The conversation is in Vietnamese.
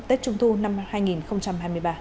tết trung thu năm hai nghìn hai mươi ba